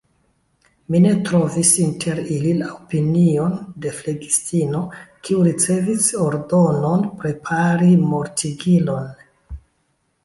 Mi ne trovis inter ili la opinion de flegistino, kiu ricevis ordonon prepari mortigilon.